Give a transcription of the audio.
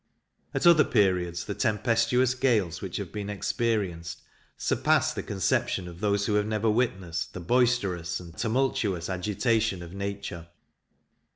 At other periods, the tempestuous gales which have been experienced surpass the conception of those who have never witnessed the boisterous and tumultuous agitation of nature.